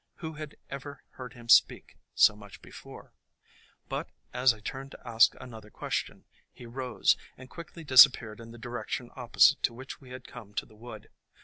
Who had ever heard him speak so much before ? But as I turned to ask another question, he rose, and quickly disappeared in the direction opposite to which we had come to the wood.